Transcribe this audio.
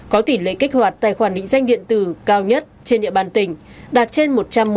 có tỷ lệ kích hoạt tài khoản định danh điện tử cao nhất trên địa bàn tỉnh đạt trên một trăm một mươi